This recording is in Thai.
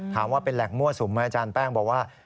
ถามว่าเป็นแหล่งมั่วสุมไหมอาจารย์แป้งบอกว่า